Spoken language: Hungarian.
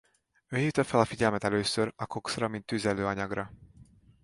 Ő hívta fel a figyelmet először a kokszra mint tüzelőanyagra.